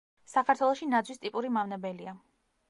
საქართველოში ნაძვის ტიპური მავნებელია.